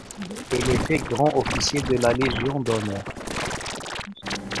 Il est fait grand officier de la Légion d'honneur.